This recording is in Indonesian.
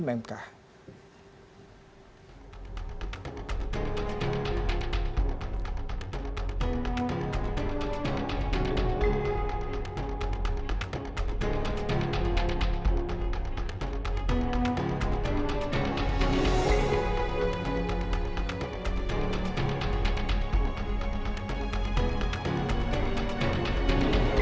sampai jumpa lagi